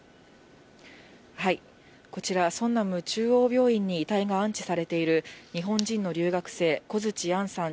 こちら、ソンナム中央病院に遺体が安置されている、日本人の留学生、コヅチアンさん